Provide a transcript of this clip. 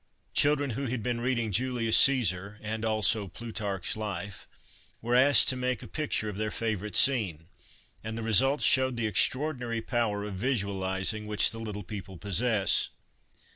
Children who had been reading Julius Casar (and also, Plutarch's Life), were asked to make a picture of their favourite scene, and the results showed the extraordinary power of visualising which the little people possess.